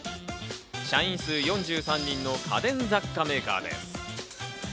社員数４３人の家電雑貨メーカーです。